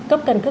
cấp căn cứ